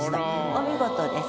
お見事です。